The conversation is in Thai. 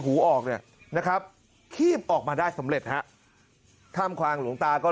หูออกเลยนะครับออกมาได้สำเร็จฮะท่านภาคโรงตาก็